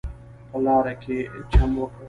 په لاره کې چم وکړ.